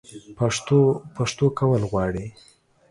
پښتو؛ پښتو کول غواړي